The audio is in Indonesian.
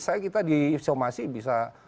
saya kira kita di somasi bisa